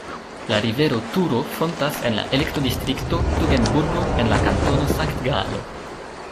La rivero Turo fontas en la elektodistrikto Togenburgo en la Kantono Sankt-Galo.